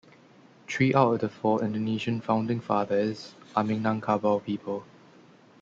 Three out of the four Indonesian founding fathers are Minangkabau people.